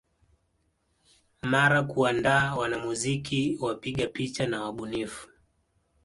Mara kuandaa wanamuziki wapiga picha na wabunifu